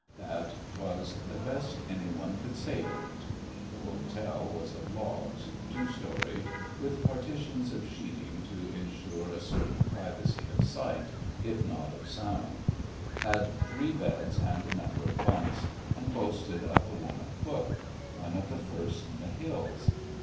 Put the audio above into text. That was the best anyone could say of it. The hotel was of logs, two storied, with partitions of sheeting to insure a certain privacy of sight if not of sound; had three beds and a number of bunks; and boasted of a woman cook one of the first in the Hills.